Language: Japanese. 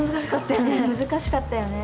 難しかったよね。